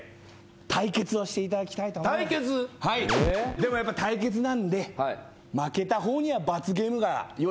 でもやっぱ対決なんで負けた方には罰ゲームが。